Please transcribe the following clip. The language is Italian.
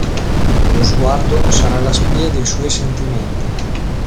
Lo sguardo sarà la spia dei suoi sentimenti.